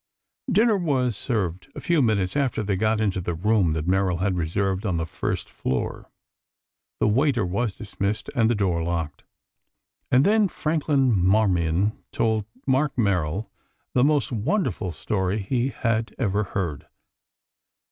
Dinner was served a few minutes after they got into the room that Merrill had reserved on the first floor. The waiter was dismissed and the door locked, and then Franklin Marmion told Mark Merrill the most wonderful story he had ever heard.